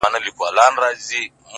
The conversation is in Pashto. چي په لاسونو كي رڼا وړي څوك-